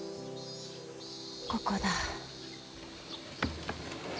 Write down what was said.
ここだ。